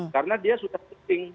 karena dia sudah keping